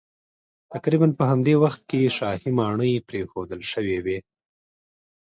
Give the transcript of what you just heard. تقریبا په همدې وخت کې شاهي ماڼۍ پرېښودل شوې وې